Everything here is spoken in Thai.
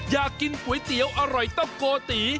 อยากกินก๋วยเตี๋ยวอร่อยต้มโกตี